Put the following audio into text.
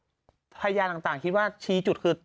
ดูจากทัยยานต่างคิดว่าชี้จุดคือ